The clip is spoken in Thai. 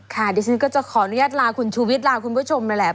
ดิฉันก็จะขออนุญาตลาคุณชูวิทยลาคุณผู้ชมนั่นแหละ